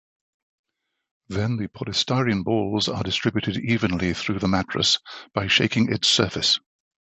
Then, the polystyrene balls are distributed evenly through the mattress by shaking its surface.